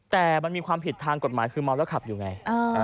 แต่มันมีความผิดทางกฎหมายคือเมาแล้วขับอยู่ไง